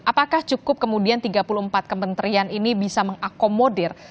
apakah cukup kemudian tiga puluh empat kementerian ini bisa mengakomodir